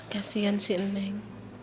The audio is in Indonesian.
kasian si neng